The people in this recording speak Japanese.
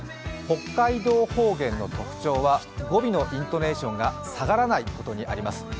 北海道方言の特徴は語尾のイントネーションが下がらないことにあります。